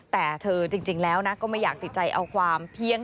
แต่เธอจริงแล้วนะก็ไม่อยากติดใจเอาความเพียง